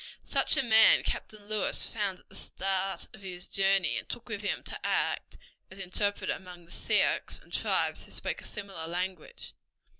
Such a man Captain Lewis found at the start of his journey, and took with him to act as interpreter among the Sioux and tribes who spoke a similar language.